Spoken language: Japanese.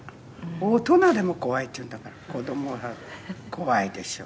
「大人でも“怖い”って言うんだから子供は怖いでしょう」